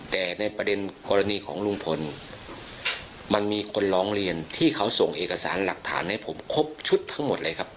แต่ในประเด็นกรณีของลุงพลมันมีคนร้องเรียนที่เขาส่งเอกสารหลักฐานให้ผมครบชุดทั้งหมดเลยครับ